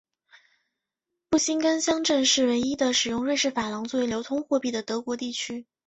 布辛根乡镇是唯一的使用瑞士法郎作为流通货币的德国地区。